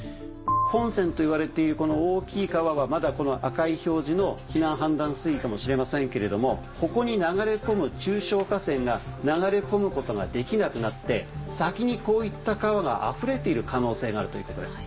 本川といわれている大きい川はまだこの赤い表示の避難判断水位かもしれませんけれどもここに流れ込む中小河川が流れ込むことができなくなって先にこういった川があふれている可能性があるということです。